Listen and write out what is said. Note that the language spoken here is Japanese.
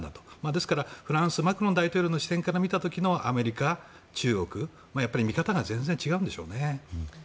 ですからフランス、マクロン大統領の視点から見た時のアメリカ、中国は見方が全然違うんでしょうね。